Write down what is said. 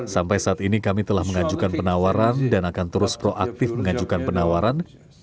sampai saat ini kami telah mengajukan penawaran dan akan terus proaktif mengajukan penawaran